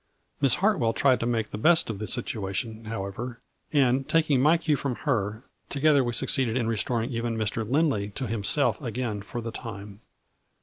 Miss Hartwell tried to make the best of the situation, however, and, taking my cue from her, together we succeeded in restoring even Mr. Lindley to himself again for the time.